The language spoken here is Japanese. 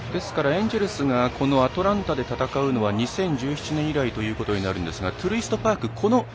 エンジェルスがアトランタで戦うのは２０１１年以来となるんですがトゥルイストパーク